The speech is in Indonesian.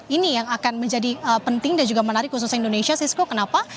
ini yang akan menjadi penting dan juga menarik khususnya indonesia sisko kenapa